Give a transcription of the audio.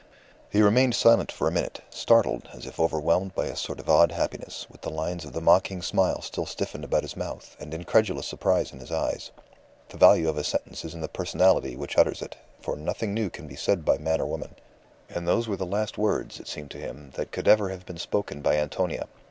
He remained silent for a minute, startled, as if overwhelmed by a sort of awed happiness, with the lines of the mocking smile still stiffened about his mouth, and incredulous surprise in his eyes. The value of a sentence is in the personality which utters it, for nothing new can be said by man or woman; and those were the last words, it seemed to him, that could ever have been spoken by Antonia.